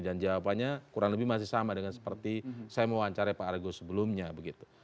dan jawabannya kurang lebih masih sama dengan seperti saya mewawancari pak argo sebelumnya begitu